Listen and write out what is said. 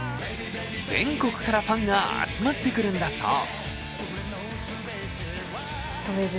全国からファンが集まってくるんだそう。